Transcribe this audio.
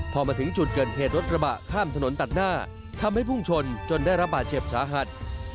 พอมาถึงจุดเกิดเหตุรถกระบะข้ามถนนตัดหน้าทำให้พุ่งชนจนได้รับบาดเจ็บสาหัส